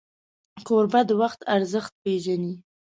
کوربه د وخت ارزښت پیژني.